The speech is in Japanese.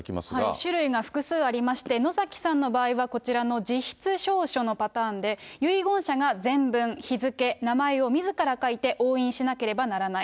種類が複数ありまして、野崎さんの場合は、こちらの自筆証書のパターンで、遺言者が全文、日付、名前をみずから書いて、押印しなければならない。